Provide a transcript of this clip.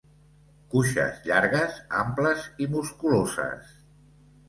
Cuixes llargues, amples i musculosos.